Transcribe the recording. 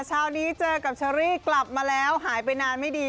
เช้านี้เจอกับเชอรี่กลับมาแล้วหายไปนานไม่ดี